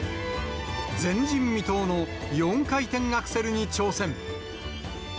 前人未到の４回転アクセルに挑戦。